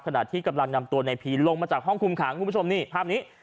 ขณะที่กำลังนำตัวในพีลงมาจากห้องคุมขังคุณผู้ชมนี่ภาพนี้